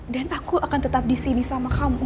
dan aku akan tetap disini sama kamu